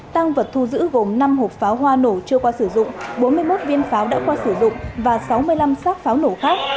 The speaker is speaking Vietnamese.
tăng vật thu giữ gồm năm hộp pháo hoa nổ chưa qua sử dụng bốn mươi một viên pháo đã qua sử dụng và sáu mươi năm xác pháo nổ khác